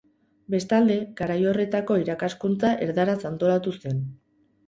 Bestalde, garai horretako irakaskuntza erdaraz antolatu zen.